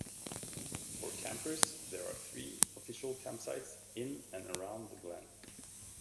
For campers, there are three official campsites in and around the Glen.